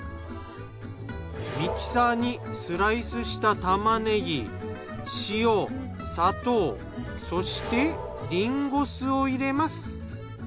ミキサーにスライスした玉ねぎ塩砂糖そしてリンゴ酢を入れます。